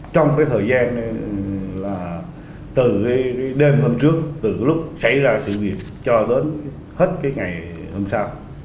trong cái thời gian là từ cái đêm hôm trước từ lúc xảy ra sự việc cho đến hết cái ngày hôm sau